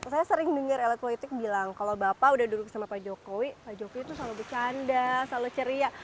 saya sering dengar elit politik bilang kalau bapak udah duduk sama pak jokowi pak jokowi itu selalu bercanda selalu ceria